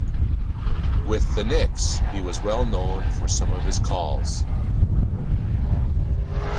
With the Knicks, he was well known for some of his calls.